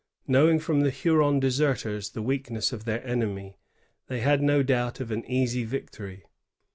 Knowing from the Huron deserters the weakness of their enemy, they had no doubt of an easy victory.